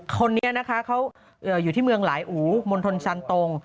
คนนี้นะคะเขาอยู่ที่เมืองหลายอูมณฑลสันตรง